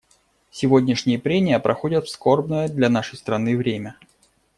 Сегодняшние прения проходят в скорбное для нашей страны время.